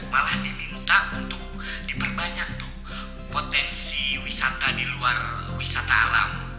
malah diminta untuk diperbanyak tuh potensi wisata di luar wisata alam